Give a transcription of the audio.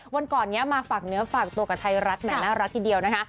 วันก่อนนี้มาฝากเนื้อฝากตัวกับไทยรัฐแหมน่ารักทีเดียวนะคะ